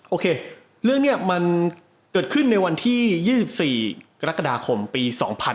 โอเคเรื่องนี้มันเกิดขึ้นในวันที่๒๔กรกฎาคมปี๒๕๕๙